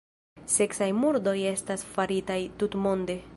Seksaj murdoj estas faritaj tutmonde.